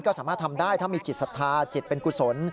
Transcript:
ก็สามารถทำได้ถ้ามีจิตศรัทธาจิตเป็นกุศล